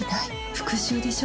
復讐でしょ？